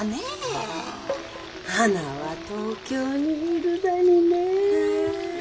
はなは東京にいるだにね。